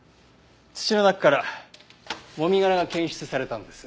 土の中からもみ殻が検出されたんです。